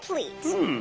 うん。